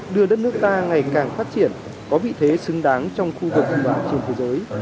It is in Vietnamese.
đưa đất nước ta ngày càng phát triển có vị thế xứng đáng trong khu vực và trên thế giới